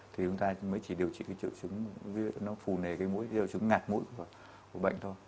thì chúng ta mới chỉ điều trị triệu chứng nó phù nề cái mũi điều trị ngạt mũi của bệnh thôi